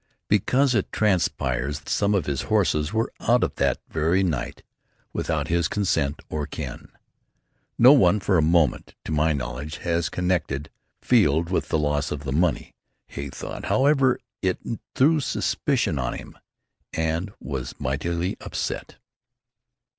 "Because it transpires that some of his horses were out that very night without his consent or ken. No one for a moment, to my knowledge, has connected Field with the loss of the money. Hay thought, however, it threw suspicion on him, and was mightily upset."